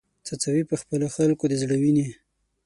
څڅوې په خپلو خلکو د زړه وینې